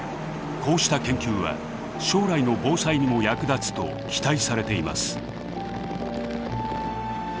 こうした研究は将来の防災にも役立つと期待されています。